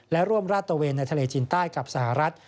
และร่วมราดตะเวนในทะเลจีนใต้กับสหรัฐ